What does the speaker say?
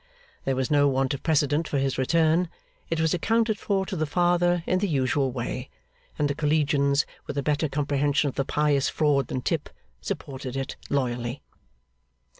There was no want of precedent for his return; it was accounted for to the father in the usual way; and the collegians, with a better comprehension of the pious fraud than Tip, supported it loyally.